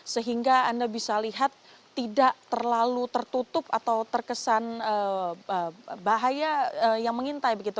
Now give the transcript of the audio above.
sehingga anda bisa lihat tidak terlalu tertutup atau terkesan bahaya yang mengintai begitu